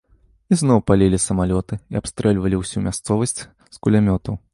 І зноў палілі самалёты і абстрэльвалі ўсю мясцовасць з кулямётаў.